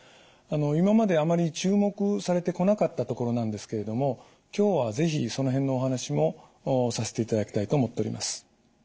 今まであまり注目されてこなかったところなんですけれども今日は是非その辺のお話もさせていただきたいと思っております。